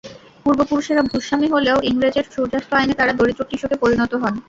পূর্বপুরুষেরা ভূস্বামী হলেও ইংরেজের সূর্যাস্ত আইনে তাঁরা দরিদ্র কৃষকে পরিণত হন।